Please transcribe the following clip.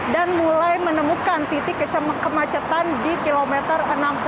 dan mulai menemukan titik kemacetan di kilometer enam puluh delapan